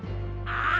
ああ？